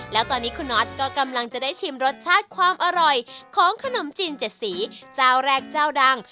แล้วตอนนี้คุณน็อตก็กำลังจะได้ชิมรสชาติความอร่อยของขนมจีนเจ็ดสีเจ้าแรกเจ้าดัง